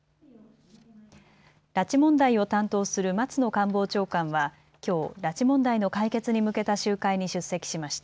拉致問題を担当する松野官房長官はきょう拉致問題の解決に向けた集会に出席しました。